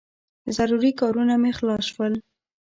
ضروري کارونه مې خلاص شول.